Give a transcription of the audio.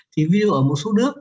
thì ví dụ ở một số nước